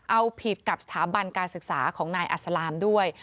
เอาผิดกับสถาบันการศึกษาของนายอัศลามด้วย